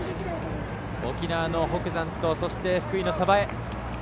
沖縄の北山とそして、福井の鯖江。